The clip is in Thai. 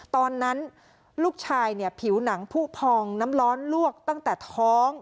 ตอนนั้นลูกชายเนี่ยผิวหนังผู้พองน้ำร้อนลวกตั้งแต่ท้อง